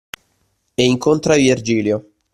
E incontra Virgilio